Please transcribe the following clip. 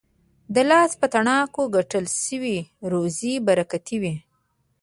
د لاس په تڼاکو ګټل سوې روزي برکتي وي.